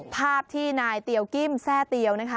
ภาพที่นายเตียวกิ้มแทร่เตียวนะคะ